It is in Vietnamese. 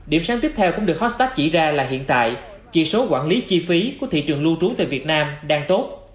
điểm sáng tiếp theo cũng được hostat chỉ ra là hiện tại chỉ số quản lý chi phí của thị trường lưu trú tại việt nam đang tốt